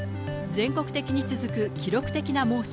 全国的に続く記録的な猛暑。